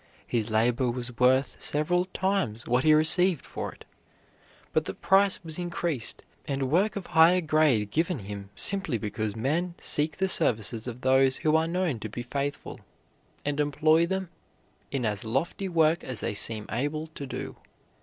His labor was worth several times what he received for it, but the price was increased and work of higher grade given him simply because men seek the services of those who are known to be faithful, and employ them in as lofty work as they seem able to do.